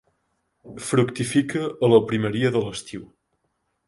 Fructifica a la primeria de l'estiu.